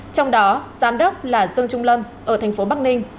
trong đó giám đốc là dương trung lâm ở thành phố bắc ninh